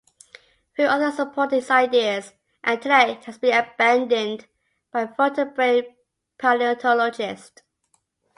Few other supported his ideas, and today it has been abandoned by vertebrate paleontologists.